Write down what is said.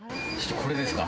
これですか？